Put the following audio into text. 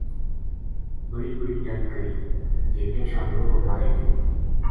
بڑی بڑی ڈَنڈ کر ی جے پِچھاں لُڑو مارے گیو